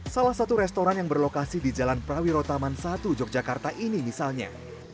salah satu restoran yang berlokasi di jalan prawiro taman satu yogyakarta ini misalnya